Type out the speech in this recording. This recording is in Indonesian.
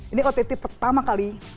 ini ott pertama kali